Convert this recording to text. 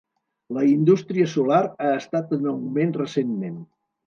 La indústria solar ha estat en augment recentment.